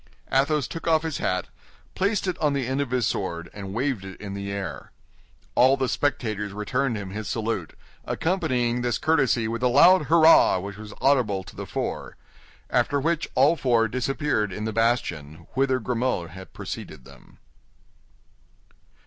Athos took off his hat, placed it on the end of his sword, and waved it in the air. All the spectators returned him his salute, accompanying this courtesy with a loud hurrah which was audible to the four; after which all four disappeared in the bastion, whither Grimaud had preceded them.